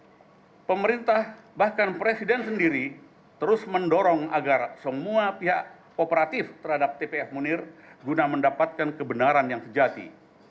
pemerintah bahkan presiden sendiri terus mendorong agar semua pihak kooperatif terhadap tpf munir guna mendapatkan kebenaran yang sejati